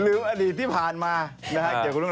หรืออดีตที่ผ่านมานะครับ